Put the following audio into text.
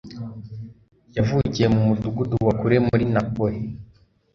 Yavukiye mu mudugudu wa kure muri Nepal